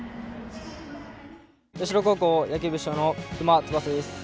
社高校野球部主将の隈翼です。